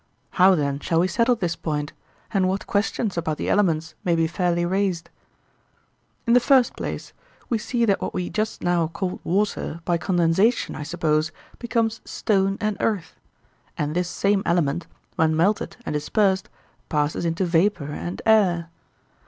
How, then, shall we settle this point, and what questions about the elements may be fairly raised? In the first place, we see that what we just now called water, by condensation, I suppose, becomes stone and earth; and this same element, when melted and dispersed, passes into vapour and air.